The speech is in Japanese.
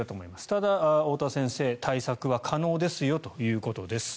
ただ、太田先生対策は可能ですよということです。